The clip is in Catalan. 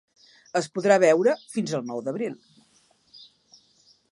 Es podrà veure fins el nou d’abril.